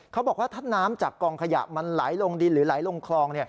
เขาบอกว่าถ้าน้ำจากกองขยะมันไหลลงดินหรือไหลลงคลอง